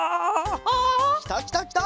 きたきたきた！